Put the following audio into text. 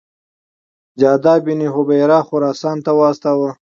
جعده بن هبیره خراسان ته واستاوه.